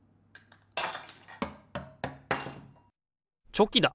チョキだ！